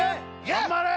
・頑張れ！